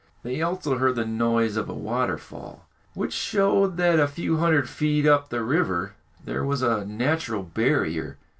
They also heard the noise of a waterfall, which showed that a few hundred feet up the river there was a natural barrier.